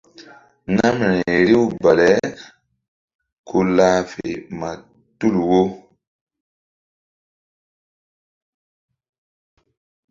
Namri riw bale ku hah fe ma tul wo.